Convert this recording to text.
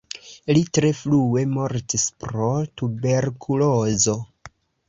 Li tre frue mortis pro tuberkulozo.